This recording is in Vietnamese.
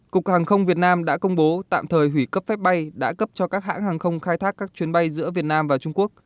cục hàng không việt nam đã công bố tạm thời hủy cấp phép bay đã cấp cho các hãng hàng không khai thác các chuyến bay giữa việt nam và trung quốc